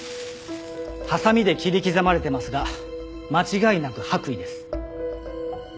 はさみで切り刻まれていますが間違いなく白衣です。